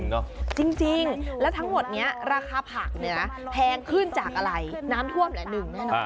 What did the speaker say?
จริงเนอะจริงจริงแล้วทั้งหมดเนี้ยราคาผักเนี้ยนะแพงขึ้นจากอะไรน้ำท่วมแหละหนึ่ง